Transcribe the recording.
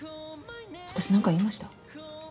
私何か言いました？